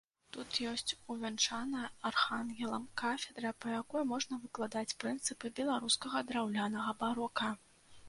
Тут ёсць увянчаная архангелам кафедра, па якой можна выкладаць прынцыпы беларускага драўлянага барока.